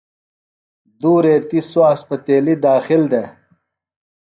دو ریتیۡ سوۡ اسپتیلیۡ داخل دےۡ۔